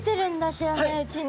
知らないうちに。